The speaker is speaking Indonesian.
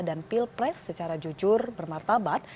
dan pilpres secara jujur bermartabat